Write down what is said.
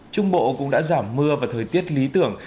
trung bộ cũng đã giảm mưa và thời tiết lý tưởng